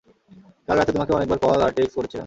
কাল রাতে তোমাকে অনেকবার কল আর টেক্সট করেছিলাম।